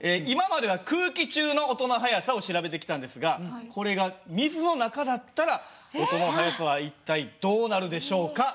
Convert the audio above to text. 今までは空気中の音の速さを調べてきたんですがこれが水の中だったら音の速さは一体どうなるでしょうか？